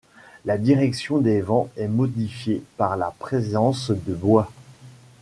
La direction des vents est modifiée par la présence de bois.